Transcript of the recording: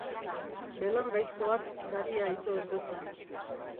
Belar gaiztoak garia ito ez dezan.